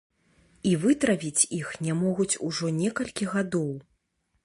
І вытравіць іх не могуць ужо некалькі гадоў.